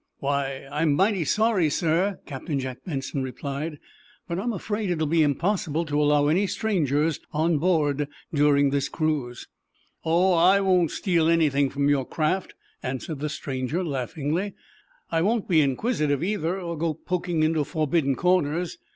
"Why, I'm mighty sorry, sir," Captain Jack Benson replied. "But I'm afraid it will be impossible to allow any strangers on board during this cruise." "Oh, I won't steal anything from your craft," answered the stranger, laughingly. "I won't be inquisitive, either, or go poking into forbidden corners.